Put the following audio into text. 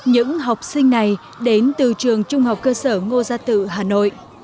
những học sinh này đến từ trường trung học cơ sở ngô gia tự hà nội